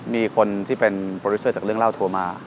มีคนที่เป็นโปรดิวเซอร์จากเรื่องเล่าโทรมา